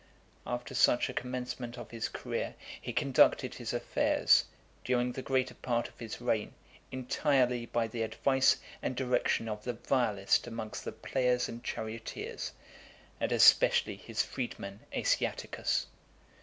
XII. After such a commencement of his career, he conducted (435) his affairs, during the greater part of his reign, entirely by the advice and direction of the vilest amongst the players and charioteers, and especially his freedman Asiaticus.